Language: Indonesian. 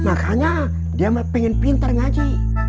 makanya dia pengen pintar ngaji